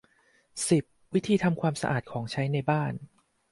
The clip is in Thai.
สิบ วิธีทำความสะอาดของใช้ในบ้าน